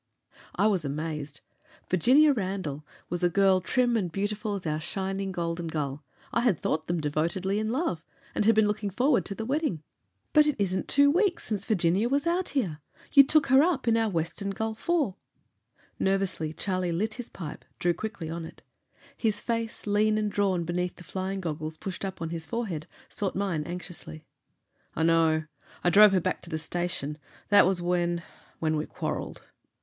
I was amazed. Virginia Randall was a girl trim and beautiful as our shining Golden Gull. I had thought them devotedly in love, and had been looking forward to the wedding. "But it isn't two weeks, since Virginia was out here! You took her up in our Western Gull IV!" Nervously Charlie lit his pipe, drew quickly on it. His face, lean and drawn beneath the flying goggles pushed up on his forehead, sought mine anxiously. "I know. I drove her back to the station. That was when when we quarreled."